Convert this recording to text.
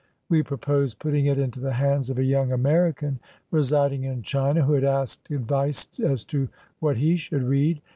We proposed putting it into the hands of a young American residing in China, who had asked advice as to what he should read.